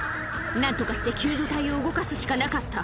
なんとかして救助隊を動かすしかなかった。